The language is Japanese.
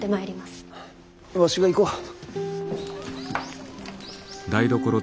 わしが行こう。